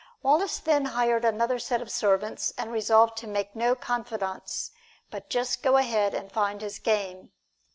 Wallace then hired another set of servants and resolved to make no confidants, but just go ahead and find his game.